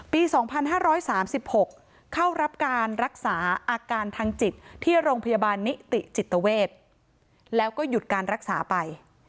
ปี๒๕๓๖เข้ารับการรักษาอาการทางจิตที่โรงพยาบาลนิติจิตเวทแล้วก็หยุดการรักษาไป